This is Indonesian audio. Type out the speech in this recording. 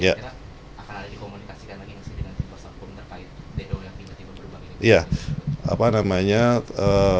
kira kira akan ada dikomunikasikan lagi nggak sih dengan tim kuasa hukum terkait pleno yang tiba tiba berubah ini